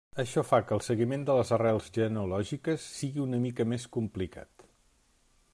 Això fa que el seguiment de les arrels genealògiques sigui una mica més complicat.